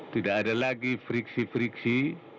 tidak ada lagi friksi friksi